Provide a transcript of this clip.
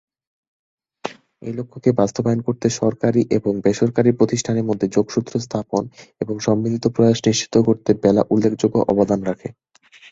এই লক্ষ্যকে বাস্তবায়ন করতে সরকারি এবং বেসরকারি প্রতিষ্ঠানের মধ্যে যোগসূত্র স্থাপন এবং সম্মিলিত প্রয়াস নিশ্চিত করতে বেলা উল্লেখযোগ্য অবদান রাখে।